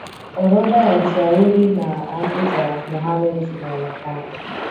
orodha ya ushauri na amri za Mohammed zinaonekana